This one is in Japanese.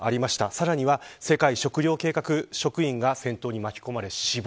さらには、世界食糧計画職員が戦闘に巻き込まれ死亡。